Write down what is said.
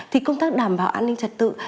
thì công tác đảm bảo an ninh trật tự